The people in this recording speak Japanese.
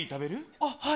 あっ、はい。